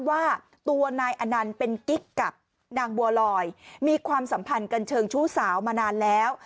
ว่าตัวนายอนันต์เป็นกิ๊กกับนางบัวลอยมีความสัมพันธ์กันเชิงชู้สาวมานานแล้ว